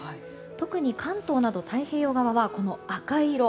特に関東など太平洋側は赤色。